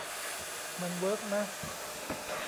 มันเวิร์กมะ ?